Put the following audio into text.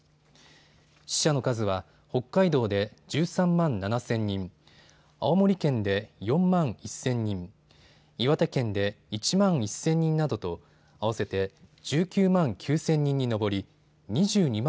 死者の数は北海道で１３万７０００人、青森県で４万１０００人、岩手県で１万１０００人などと合わせて１９万９０００人に上り２２万